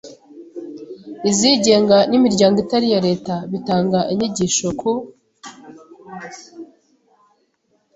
izigenga n’imiryango itari iya Leta bitanga inyigisho ku